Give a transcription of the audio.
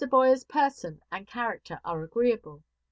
Boyer's person and character are agreeable.